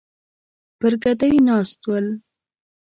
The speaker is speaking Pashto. پر ګدۍ ناست ول.